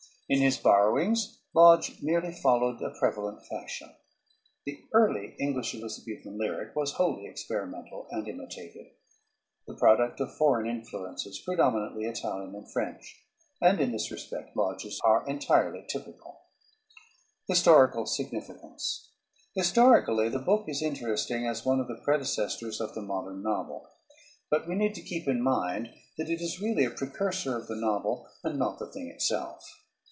In his borrowings Lodge merely followed a prevalent fashion. The early English Elizabethan lyric was wholly experimental and imitative the product of foreign influences, predominantly Italian and French; and in this respect Lodge's are entirely typical. [Footnote 1: Hunterian Club reprint, pp. 76 ff.] [Footnote 2: Hunterian Club reprint, p. 79.] Historical Significance. Historically the book is interesting as one of the predecessors of the modern novel. But we need to keep in mind that it is really a precursor of the novel and not the thing itself.